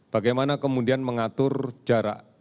bagaimana kemudian mengatur jarak